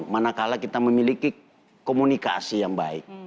manakala kita memiliki komunikasi yang baik